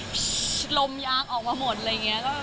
พร้อมยางออกมาหมดเลยอย่างเงี้ย